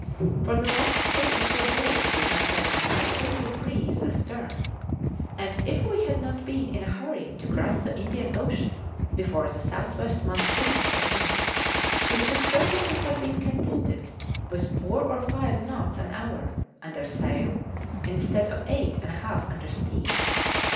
For the last three or four days we have had a nice little breeze astern, and if we had not been in a hurry to cross the Indian Ocean before the south west monsoon set in, we should certainly have been contented with four or five knots an hour under sail instead of eight and a half under steam.